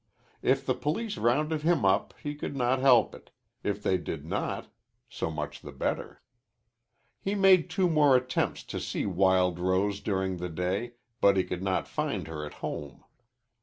If the police rounded him up, he could not help it; if they did not, so much the better. He made two more attempts to see Wild Rose during the day, but he could not find her at home.